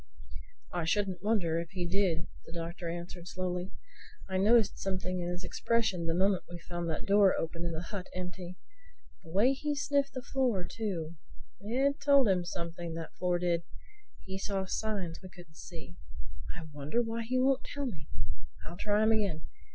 "I shouldn't wonder if he did," the Doctor answered slowly. "I noticed something in his expression the moment we found that door open and the hut empty. And the way he sniffed the floor too—it told him something, that floor did. He saw signs we couldn't see—I wonder why he won't tell me. I'll try him again.